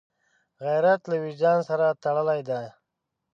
غیرت له وجدان سره تړلی دی